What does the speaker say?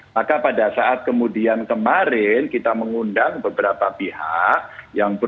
maka pada saat kemudian kemarin kita mengundang beberapa pihak